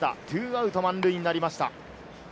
２アウト満塁になりました。